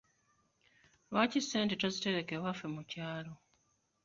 Lwaki ssente tozitereka ewaffe mu kyalo.